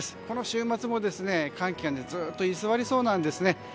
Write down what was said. この週末も寒気がずっと居座りそうなんですね。